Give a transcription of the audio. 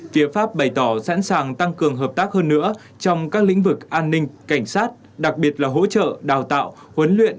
phía pháp bày tỏ sẵn sàng tăng cường hợp tác hơn nữa trong các lĩnh vực an ninh cảnh sát đặc biệt là hỗ trợ đào tạo huấn luyện